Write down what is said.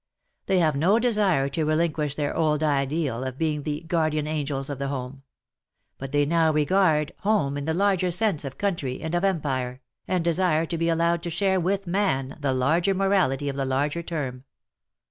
They have no desire to relinquish their old ideal of being the guardian angels" of the home. But they now regard "home" in the larger sense of Country and of Empire, and desire to be allowed to share with Man the larger morality of the larger term.